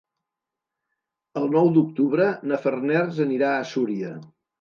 El nou d'octubre na Farners anirà a Súria.